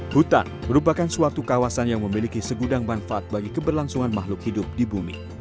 hutan merupakan suatu kawasan yang memiliki segudang manfaat bagi keberlangsungan makhluk hidup di bumi